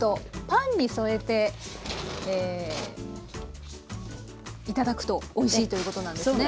パンに添えて頂くとおいしいということなんですね。